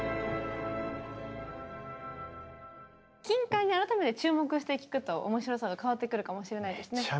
金管に改めて注目して聴くと面白さが変わってくるかもしれないですね。